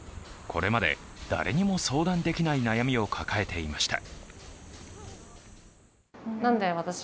これまで誰にも相談できない悩みを抱えていました。